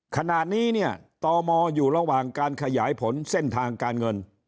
ขณะนี้เนี่ยตมอยู่ระหว่างการขยายผลเส้นทางการเงิน